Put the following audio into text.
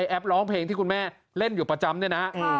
แอปร้องเพลงที่คุณแม่เล่นอยู่ประจำเนี่ยนะ